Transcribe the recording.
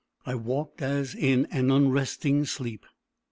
I walked as in an unresting sleep.